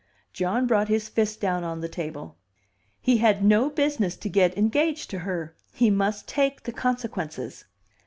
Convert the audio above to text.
John brought his fist down on the table. "He had no business to get engaged to her! He must take the consequences."